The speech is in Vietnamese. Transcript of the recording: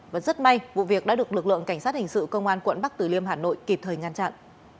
và rất may vụ việc đã được lực lượng cảnh sát hình sự công an quận bắc tử liêm hà nội kịp thời ngăn chặn